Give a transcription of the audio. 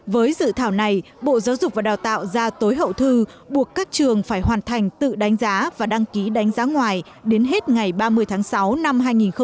với dự thảo này bộ giáo dục và đào tạo ra tối hậu thư buộc các trường phải hoàn thành tự đánh giá và đăng ký đánh giá ngoài đến hết ngày ba mươi tháng sáu năm hai nghìn hai mươi